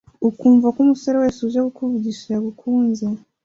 ukumvako umusore wese uje kukuvugisha yagukunze